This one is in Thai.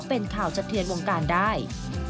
เป็นข่าวเฉพาะเฉียนวงการได้